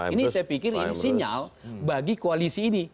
ini saya pikir ini sinyal bagi koalisi ini